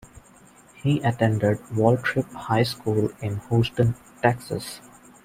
He attended Waltrip High School in Houston, Texas.